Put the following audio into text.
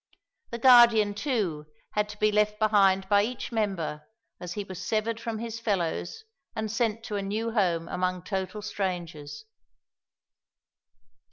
The Guardian, too, had to be left behind by each member as he was severed from his fellows and sent to a new home among total strangers.